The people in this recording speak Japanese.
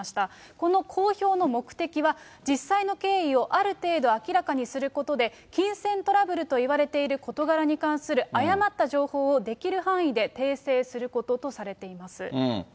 この公表の目的は実際の経緯をある程度明らかにすることで、金銭トラブルと言われている事柄に関する誤った情報を、できる範囲で訂正することとされています。